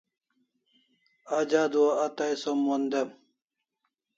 Aj adua a tai som mon dem